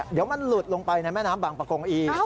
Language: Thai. เดี๋ยวมันหลุดลงไปในแม่น้ำบางประกงอีก